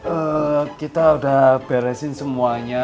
eee kita udah beresin semuanya